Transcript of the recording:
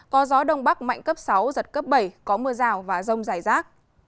có gió đông bắc mạnh cấp sáu giật cấp bảy có mưa rào và rông dài rác